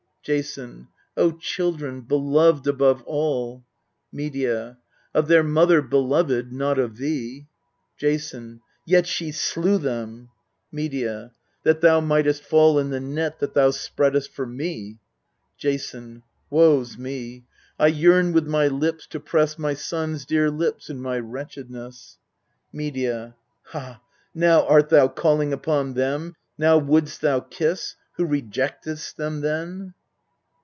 Jason. O children beloved above all ! Medea. Of their mother beloved, not of thee. Jason. Yet she slew them ! Medea. That thou mightest fall in the net that thou spreadest for me. Jason. Woe's me ! I yearn with my lips to press My sons' dear lips in my wretchedness. Medea. Ha ! now art thou calling upon them, now wouldst thou kiss, Who rejectedst them then?